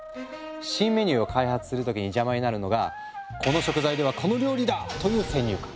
新メニューを開発する時に邪魔になるのが「この食材ではこの料理だ」という先入観。